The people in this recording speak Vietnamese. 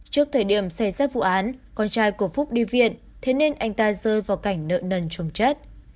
trước thời điểm xây dắt vụ án con trai của phúc đi viện thế nên anh ta rơi vào cảnh nợ nân trông chất